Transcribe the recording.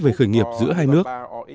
về khởi nghiệp giữa hai nước